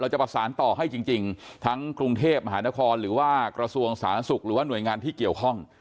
จะประสานต่อให้จริงทั้งกรุงเทพมหานครหรือว่ากระทรวงสาธารณสุขหรือว่าหน่วยงานที่เกี่ยวข้อง